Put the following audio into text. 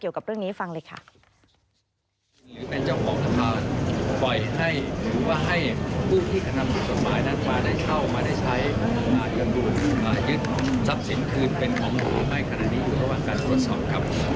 เกี่ยวกับเรื่องนี้ฟังเลยค่ะ